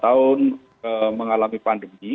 empat tahun mengalami pandemi